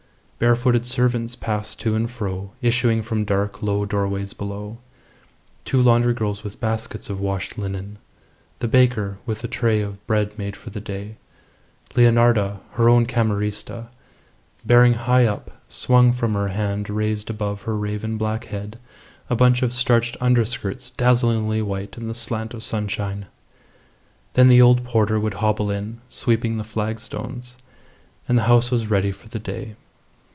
Barefooted servants passed to and fro, issuing from dark, low doorways below; two laundry girls with baskets of washed linen; the baker with the tray of bread made for the day; Leonarda her own camerista bearing high up, swung from her hand raised above her raven black head, a bunch of starched under skirts dazzlingly white in the slant of sunshine. Then the old porter would hobble in, sweeping the flagstones, and the house was ready for the day.